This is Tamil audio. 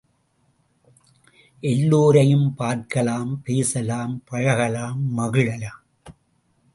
எல்லோரையும் பார்க்கலாம், பேசலாம், பழகலாம், மகிழலாம்.